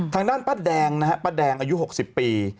ทางด้านป้าแดงนะฮะป้าแดงอายุ๖๐ปี